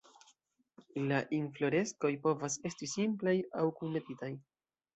La infloreskoj povas esti simplaj aŭ kunmetitaj.